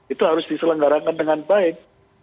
itu harus diselenggarakan dengan baik